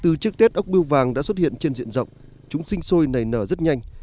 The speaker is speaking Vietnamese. từ trước tết ốc biêu vàng đã xuất hiện trên diện rộng chúng sinh sôi nảy nở rất nhanh